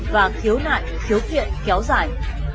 và khiếu nại khiếu kiện kéo dài